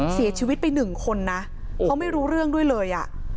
เสียชีวิตไปหนึ่งคนนะเขาไม่รู้เรื่องด้วยเลยอ่ะ